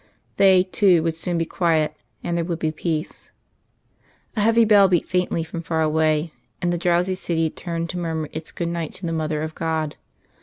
They, too, would soon be quiet, and there would be peace. A heavy bell beat faintly from far away, and the drowsy city turned to murmur its good night to the Mother of God.